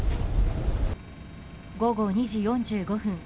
午後２時４５分